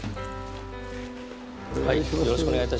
はい。